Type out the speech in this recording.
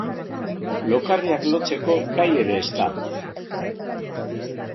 Lokarriak lotzeko gai ere ez da.